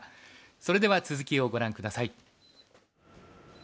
それでは続きをご覧下さい。